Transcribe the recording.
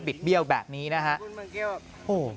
ปิดเบี้ยวแบบนี้นะครับ